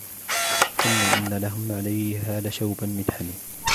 ثُمَّ إِنَّ لَهُمْ عَلَيْهَا لَشَوْبًا مِنْ حَمِيمٍ